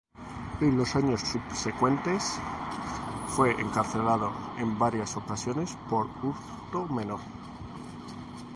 En años subsecuentes fue encarcelado en varias ocasiones por hurto menor.